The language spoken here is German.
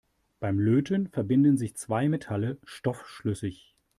Beim Löten verbinden sich zwei Metalle stoffschlüssig.